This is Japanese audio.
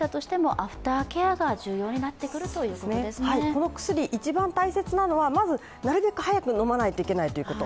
この薬、一番大切なのはまずなるべく早く飲まないといけないということ。